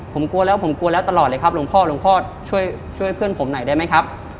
ผมกลัวแล้วผมกลัวแล้วตลอดเลยครับหลวงพ่อหลวงพ่อช่วยเพื่อนผมหน่อยได้ไหมครับ